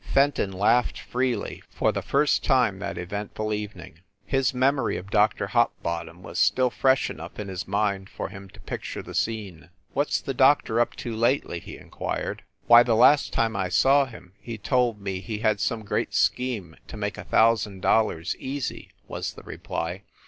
Fenton laughed freely, for the first time that eventful evening. His memory of Dr. Hopbottom was still fresh enough in his mind for him to pic ture the scene. "What s the doctor up to, lately?" he inquired. "Why, the last time I saw him, he told me he had some great scheme to make a thousand dollars easy," was the reply.